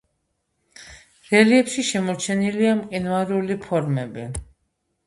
რელიეფში შემორჩენილია მყინვარული ფორმები.